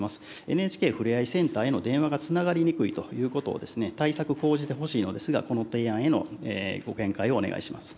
ＮＨＫふれあいセンターへの電話がつながりにくいということをですね、対策講じてほしいのですが、この提案へのご見解をお願いします。